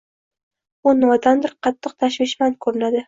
U nimadandir qattiq tashvishmand ko‘rinardi.